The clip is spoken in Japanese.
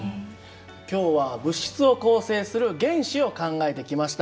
今日は物質を構成する原子を考えてきました。